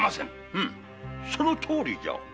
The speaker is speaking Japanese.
うむそのとおりじゃ。